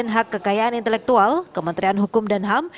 dan hak kekayaan intelektual kementerian hukum dan ham